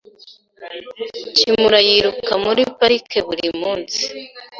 Kimura yiruka muri parike buri munsi .